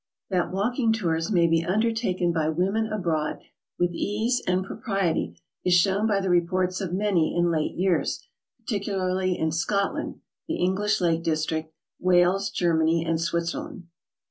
'* That walking tours may be undertaken by women abroad with ease and propriety is shown by the reports of many in late years, particularly in Scotland, the English Lake District, Wales, Germany, and Switzedand.